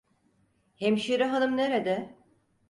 Hemşire hanım nerede?